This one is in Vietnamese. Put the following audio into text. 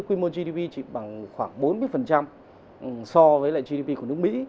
quy mô gdp chỉ bằng khoảng bốn mươi so với lại gdp của nước mỹ